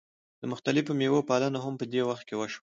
د مختلفو میوو پالنه هم په دې وخت کې وشوه.